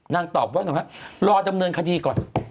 นางตอบว่ารอดำเนินคดีก่อน